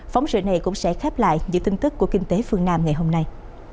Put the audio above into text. phóng sự này cũng sẽ khép lại những tin tức của kinh tế phương nam ngày hôm nay